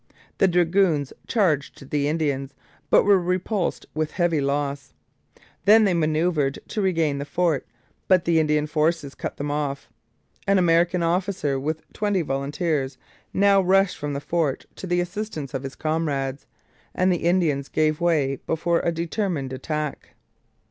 The dragoons charged the Indians, but were repulsed with heavy loss. Then they manoeuvred to regain the fort, but the Indian forces cut them off. An American officer, with twenty volunteers, now rushed from the fort to the assistance of his comrades, and the Indians gave way before a determined attack.